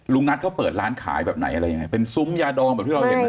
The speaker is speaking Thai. ลุงนัทเขาเปิดร้านขายแบบไหนเป็นซุ้มยาดองแบบที่เราเห็นไหม